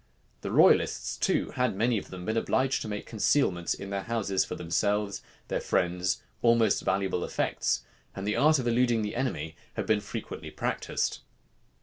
The royalists, too, had, many of them, been obliged to make concealments in their houses for themselves, their friends, or more valuable effects; and the arts of eluding the enemy had been frequently practised.